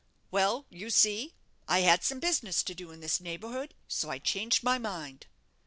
"Well, you see, I had some business to do in this neighbourhood, so I changed my mind."